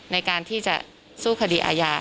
ในการที่จะสู้คดีอาญา